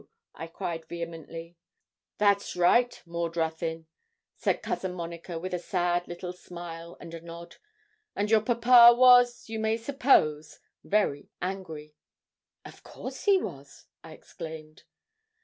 I cried vehemently. 'That's right, Maud Ruthyn,' said Cousin Monica, with a sad little smile and a nod. 'And your papa was, you may suppose, very angry.' 'Of course he was,' I exclaimed.